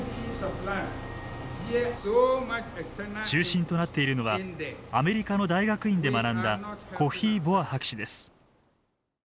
中心となっているのはアメリカの大学院で学んだコフィ・ボア博士です。